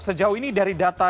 sejauh ini dari data